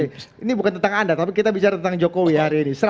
ini bukan tentang anda tapi kita bicara tentang jokowi hari ini